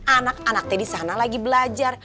anak anak teh disana lagi belajar